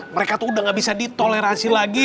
mereka tuh udah gak bisa ditoleransi lagi